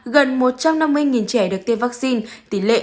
gần một trăm năm mươi trẻ được tiêm vaccine tỷ lệ năm mươi hai mươi năm